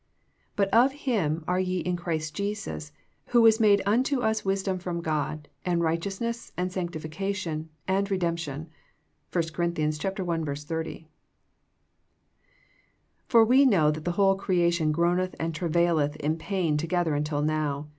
But of Him are ye in Christ Jesus, who was made unto us wis dom from God, and righteousness and sanctificaiion, and redemp tion." — 1 COEINTHIANS 1 : 30. '' For we know that the whole creation groaneth and travaileth in pain together until now.